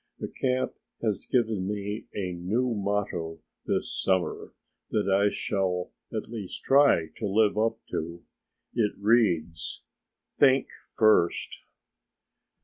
The camp has given me a new motto this summer that I shall at least try to live up to. It reads: 'Think first!"